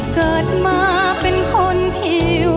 โปรดติดตามตอนต่อไป